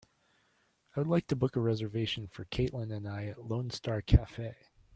I would like to book a reservation for kaitlin and I at Lone Star Cafe